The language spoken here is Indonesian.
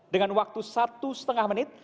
dengan waktu satu setengah menit